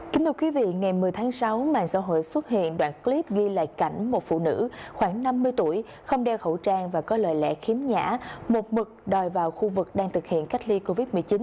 kính thưa quý vị ngày một mươi tháng sáu mạng xã hội xuất hiện đoạn clip ghi lại cảnh một phụ nữ khoảng năm mươi tuổi không đeo khẩu trang và có lời lẽ khiếm nhã một mực đòi vào khu vực đang thực hiện cách ly covid một mươi chín